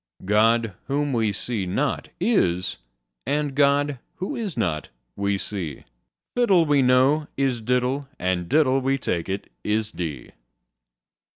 God, whom we see not, is: and God, who is not, we see: Fiddle, we know, is diddle: and diddle, we take it, is dee.